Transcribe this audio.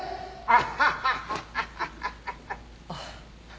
あっ。